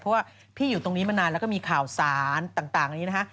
เพราะว่าพี่อยู่ตรงนี้มานานแล้วก็มีข่าวสารต่างนี้นะคะ